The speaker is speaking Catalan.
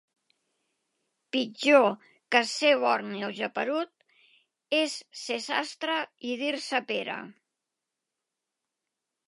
Pitjor que ser borni o geperut, és ser sastre i dir-se Pere.